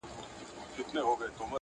چي ته راتلې هيڅ يو قدم دې ساه نه درلوده